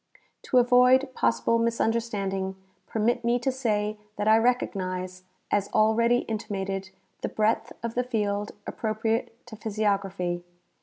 To avoid possible misunderstanding, joermit me to say that I recognize, as already intimated, the breadth of the field appro priate to iDhysiography.